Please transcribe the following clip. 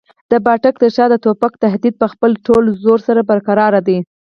د پاټک تر شا د توپک تهدید په خپل ټول زور سره برقراره دی.